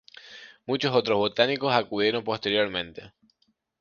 Muchos otros botánicos acudieron posteriormente.